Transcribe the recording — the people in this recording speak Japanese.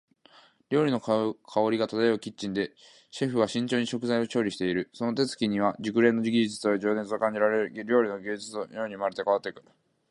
料理の香りが漂うキッチンで、シェフは慎重に食材を調理している。その手つきには熟練の技術と情熱が感じられ、料理が芸術のように生まれ変わっていく。